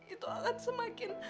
itu akan semakin